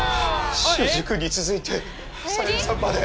秀司君に続いてさゆりさんまで。